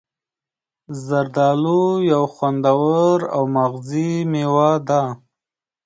زردآلو یو خوندور او مغذي میوه ده.